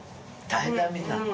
大変だみんな。